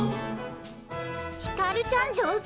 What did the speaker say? ひかるちゃん上手！